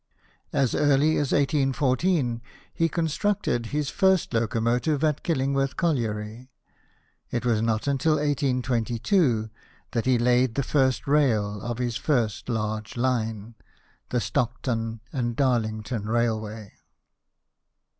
As early as 1814 he constructed his first locomotive at Killingworth colliery; it was not until 1822 that he laid the first rail of his first large line, the Stockton and Darlington Railway.